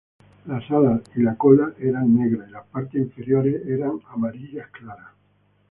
Las alas y la cola eran negras y las partes inferiores eran amarillas claras.